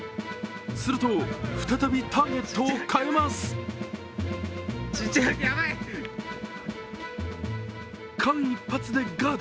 すると、再びターゲットを変えます間一髪でガード。